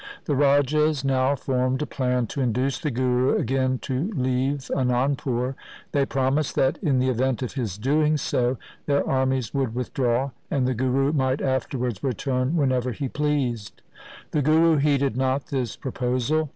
The rajas now formed a plan to induce the Guru again to leave Anandpur. They promised that, in the event of his doing so, their armies would with draw., and the Guru might afterwards return when ever he pleased. The Guru heeded not this pro posal.